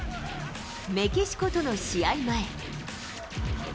メキシコとの試合前。